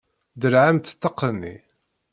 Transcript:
Derrɛemt ṭṭaq-nni!